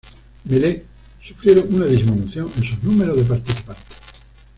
Melee", sufrieron una disminución en sus números de participantes.